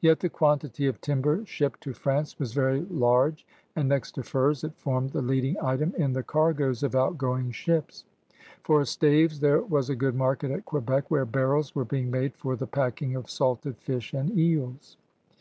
Yet the quantity of timber shipped to^ance was very large, and next to furs it formed the leading item in the cargoes of outgoing ships. For staves there was a good market at Quebec where barrels were being made for the packing of salted fish and eels.